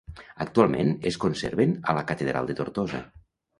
Actualment es conserven a la catedral de Tortosa.